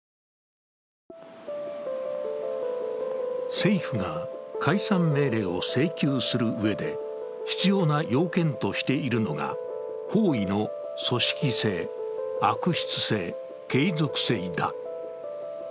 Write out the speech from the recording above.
政府が解散命令を請求するうえで必要な要件としているのが、行為の組織性・悪質性・継続性だ。